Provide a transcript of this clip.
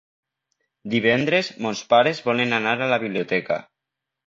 Divendres mons pares volen anar a la biblioteca.